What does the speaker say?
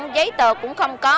giấy tờ cũng không có